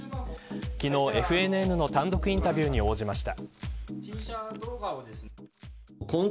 昨日、ＦＮＮの単独インタビューに応じました。